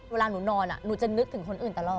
เวลาหนูนอนหนูจะนึกถึงคนอื่นตลอด